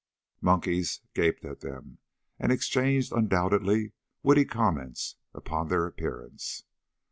Monkeys gaped at them and exchanged undoubtedly witty comments upon their appearance.